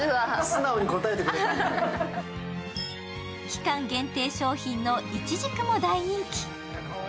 期間限定商品のいちじくも大人気。